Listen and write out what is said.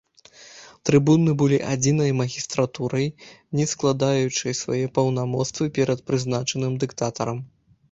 Трыбуны былі адзінай магістратурай, не складаючай свае паўнамоцтвы перад прызначаным дыктатарам.